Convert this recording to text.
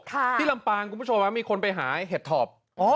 ที่ลำปาร์งมีคนไปหาเห็ดถอบ